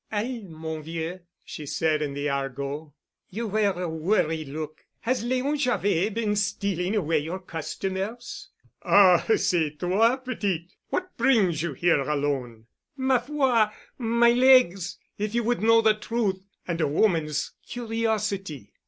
"All, mon vieux," she said in the argot. "You wear a worried look. Has Leon Javet been stealing away your customers?" "Ah, c'est toi, petite! What brings you here alone?" "Ma foi, my legs, if you would know the truth—and a woman's curiosity."